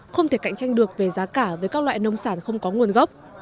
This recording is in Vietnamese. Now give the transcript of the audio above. không thể cạnh tranh được về giá cả với các loại nông sản không có nguồn gốc